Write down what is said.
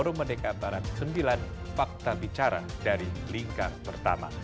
terum mendekat barat sembilan fakta bicara dari lingkar pertama